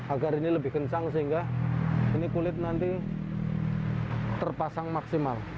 agar ini lebih kencang sehingga ini kulit nanti terpasang maksimal